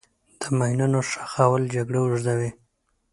د ماینونو ښخول جګړه اوږدوي.